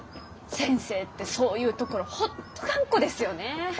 先生ってそういうところホント頑固ですよねェ。